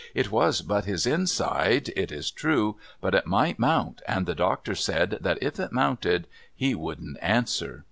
' It was but his inside, it is true, but it might mount, and the doctor said that if it mounted he wouldn't answer.'